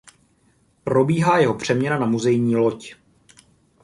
Probíhá jeho přeměna na muzejní loď.